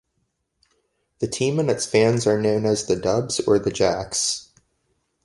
The team and its fans are known as "The Dubs" or "The Jacks".